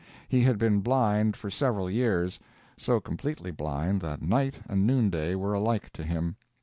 He had been blind for several years—so completely blind that night and noonday were alike to him.